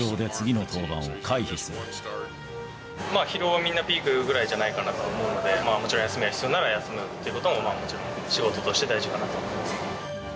疲労はみんな、ピークぐらいじゃないかと思うので、もちろん休みが必要なら休むっていうことも仕事として大事かなと思います。